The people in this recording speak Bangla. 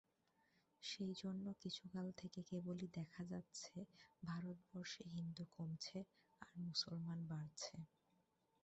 সেইজন্য কিছুকাল থেকে কেবলই দেখা যাচ্ছে, ভারতবর্ষে হিন্দু কমছে আর মুসলমান বাড়ছে।